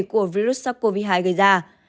của virus sars cov hai gây ra